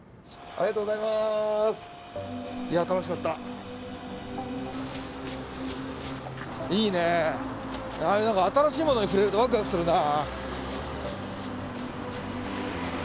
ああいう何か新しいものに触れるとワクワクするな。